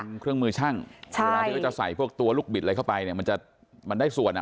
เป็นเครื่องมือช่างเวลาที่เขาจะใส่พวกตัวลูกบิดอะไรเข้าไปเนี่ยมันจะมันได้ส่วนอ่ะ